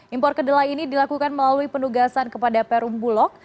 impor kedelai ini dilakukan melalui penugasan kepada perumbulok